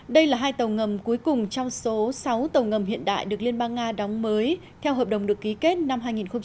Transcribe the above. đây là hai tàu ngầm cuối cùng trong số sáu tàu ngầm hiện đại được liên bang nga đóng mới theo hợp đồng được ký kết năm hai nghìn một mươi bảy